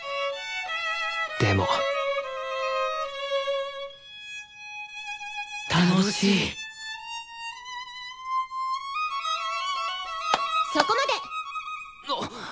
でも楽しいそこまで！